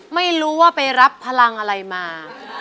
ไม่รู้ว่าไปรับพลังอะไรมา